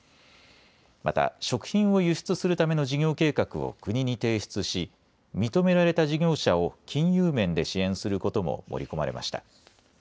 また、食品を輸出するための事業計画を国に提出し、認められた事業者を金融面で支援することも盛り込まれました。